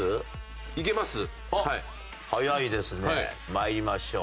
まいりましょう。